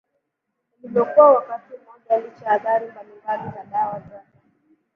ilivyokuwa wakati mmoja Licha ya athari mbalimbali za dawa za